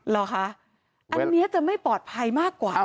เหรอคะอันนี้จะไม่ปลอดภัยมากกว่า